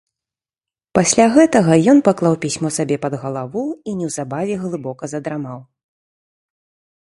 Пасля гэтага ён паклаў пісьмо сабе пад галаву і неўзабаве глыбока задрамаў.